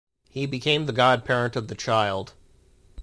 He became the god-parent of the child.